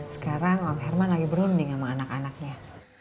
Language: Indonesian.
sekarang om herman lagi berunding sama anak anaknya